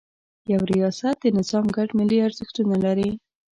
یو ریاست د نظام ګډ ملي ارزښتونه لري.